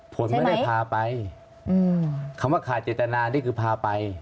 ผลไม่ได้พาไปคำว่าขาดเจตนานี่คือพาไป